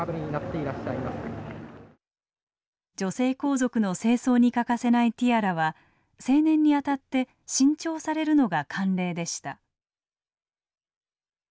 女性皇族の正装に欠かせないティアラは成年にあたって新調されるのが慣例でした。